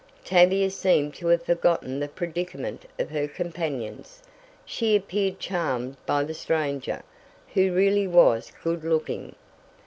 Tavia seemed to have forgotten the predicament of her companions she appeared charmed by the stranger who really was good looking.